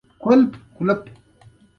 پښتو ستاسو د هوډ په تمه ده.